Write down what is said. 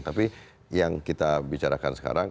tapi yang kita bicarakan sekarang